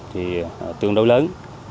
thì tương đối lớn